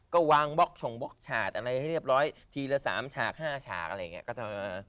ก็วางบอกชงบอกฉากอะไรให้เรียบร้อยทีละสามฉากห้าฉากอะไรอย่างเงี้ย